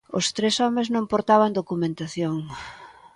Os tres homes non portaban documentación.